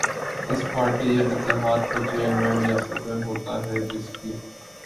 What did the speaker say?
اس party یا اتحاد کا چیئرمین یا صدر ہوتا ہے جس کی